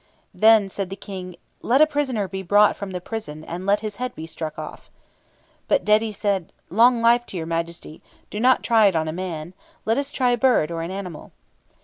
Then said the King, "Let a prisoner be brought from the prison, and let his head be struck off." But Dedi said, "Long life to your Majesty; do not try it on a man. Let us try a bird or an animal."